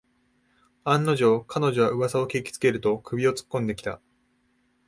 案の定、彼女はうわさを聞きつけると首をつっこんできた